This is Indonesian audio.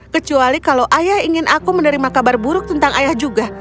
kecuali kalau ayah ingin aku menerima kabar buruk tentang ayah juga